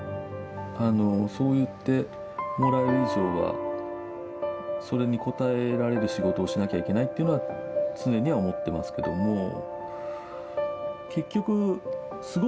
あのそう言ってもらえる以上はそれに応えられる仕事をしなきゃいけないというのは常には思ってますけども。